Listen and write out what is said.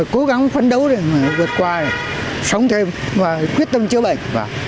cố gắng phấn đấu để vượt qua sống thêm và quyết tâm chữa bệnh